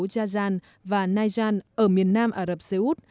jajan và najan ở miền nam ả rập xê út